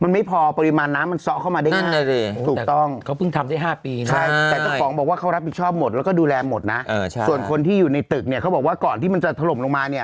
มันไม่พอปริมาณน้ำมันซะเข้ามาได้ดูแลหมดนะส่วนคนที่อยู่ในตึกเนี่ยเขาบอกว่าก่อนที่มันจะถล่มลงมาเนี่ย